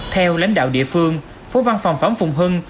theo lãnh đạo địa phương phố văn phòng phẩm phùng hưng